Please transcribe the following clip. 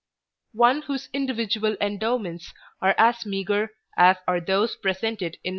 One whose individual endowments are as meagre as are those presented in No.